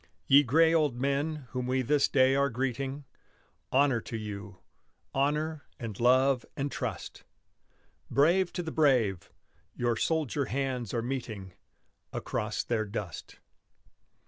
Ye gray old men whom we this day are greeting, Honor to you, honor and love and trust! Brave to the brave. Your soldier hands are meeting Across their dust.